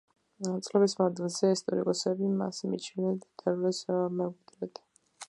წლების მანძილზე ისტორიკოსები მას მიიჩნევდნენ ტერველის მემკვიდრედ.